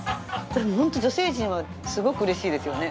ホント女性陣はすごくうれしいですよね？